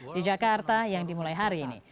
di jakarta yang dimulai hari ini